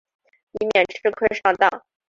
以免吃亏上当